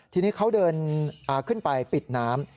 ทีนี้เขาเดินขึ้นไปปิดน้ำ